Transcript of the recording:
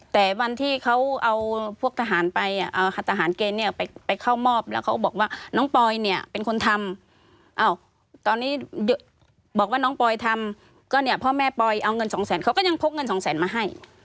แต่วันที่เขาเอาพวกทหารไปทหารเกณฑ์เนี่ยไปเข้ามอบแล้วเขาบอกว่าน้องปอยเนี่ยเป็นคนทำตอนนี้บอกว่าน้องปอยทำก็เนี่ยพ่อแม่ปอยเอาเงินสองแสนเขาก็ยังพกเงินสองแสนมาให้